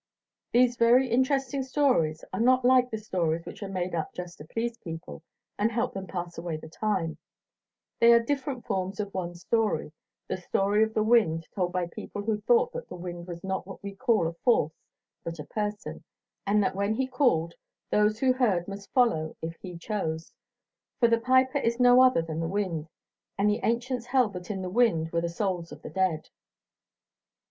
These very interesting stories are not like the stories which are made up just to please people and help them pass away the time; they are different forms of one story the story of the wind, told by people who thought that the wind was not what we call a force but a person, and that when he called those who heard must follow if he chose; for "the piper is no other than the wind, and the ancients held that in the wind were the souls of the dead."